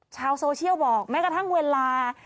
ชาวโซเชียลบอกแม้กระทั่งเวลา